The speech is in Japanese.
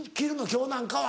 今日なんかは。